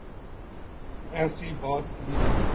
ایسی بات تھی۔